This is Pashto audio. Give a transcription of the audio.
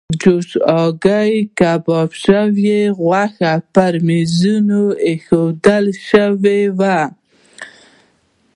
جوشې هګۍ، کباب شوې غوښه پر میزونو ایښودل شوې.